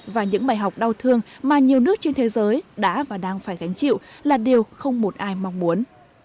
và những bài học đau thương mà nhiều nước trên thế giới đã và đang phải gánh chịu là điều không một ai mong muốn